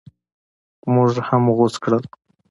موږ هم غوڅ کړل.